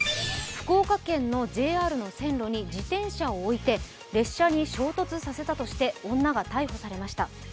福岡県のＪＲの線路に自転車を置いて列車に衝突させたとして女が逮捕されました。